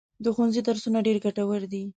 د ښوونځي درسونه ډېر ګټور دي.